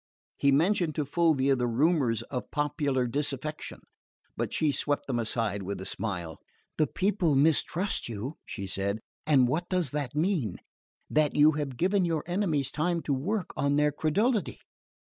He mentioned to Fulvia the rumours of popular disaffection; but she swept them aside with a smile. "The people mistrust you," she said. "And what does that mean? That you have given your enemies time to work on their credulity.